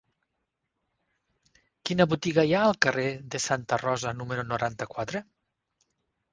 Quina botiga hi ha al carrer de Santa Rosa número noranta-quatre?